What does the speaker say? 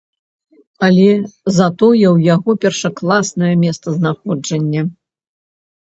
Але, затое ў яго першакласнае месцазнаходжанне.